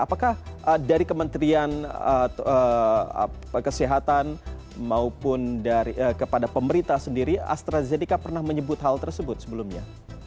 apakah dari kementerian kesehatan maupun kepada pemerintah sendiri astrazeneca pernah menyebut hal tersebut sebelumnya